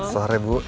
selamat sore bu